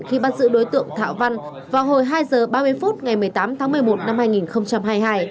khi bắt giữ đối tượng thạo văn vào hồi hai h ba mươi phút ngày một mươi tám tháng một mươi một năm hai nghìn hai mươi hai